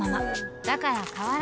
だから変わらず。